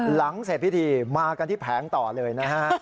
หลังเสร็จพิธีมากันที่แผงต่อเลยนะฮะ